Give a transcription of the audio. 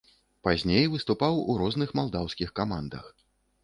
Пазней выступаў у розных малдаўскіх камандах.